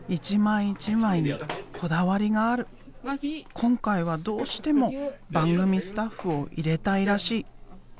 今回はどうしても番組スタッフを入れたいらしい。